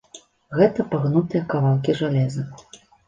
Гэта пагнутыя кавалкі жалеза.